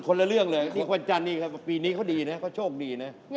คนละเรื่องเลยอาจารย์นี้ครับปีนี้เขาดีนะเขาโชคดีนะ